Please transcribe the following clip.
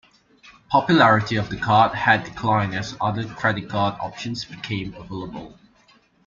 Popularity of the card had declined as other credit card options became available.